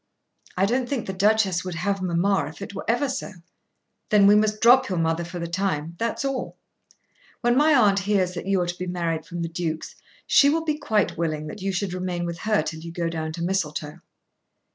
"I don't think the Duchess would have mamma if it were ever so." "Then we must drop your mother for the time; that's all. When my aunt hears that you are to be married from the Duke's, she will be quite willing that you should remain with her till you go down to Mistletoe."